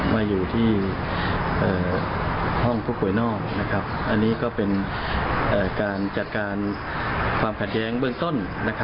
มาอยู่ที่ห้องผู้ป่วยนอกอันนี้ก็เป็นการจัดการความขัดแย้งเบื้องต้น